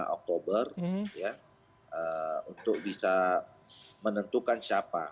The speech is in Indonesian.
dua puluh lima oktober untuk bisa menentukan siapa